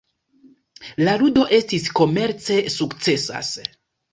La ludo estis komerce sukcesas.